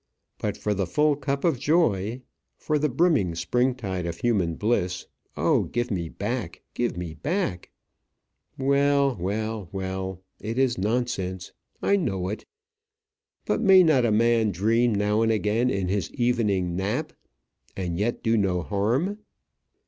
But for the full cup of joy, for the brimming spring tide of human bliss, oh, give me back, give me back ! Well, well, well; it is nonsense; I know it; but may not a man dream now and again in his evening nap and yet do no harm?